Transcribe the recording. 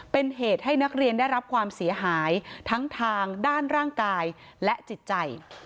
เป็นเหตุให้นักเรียนได้รับความเสียหายทั้งทางด้านร่างกายและจิตใจ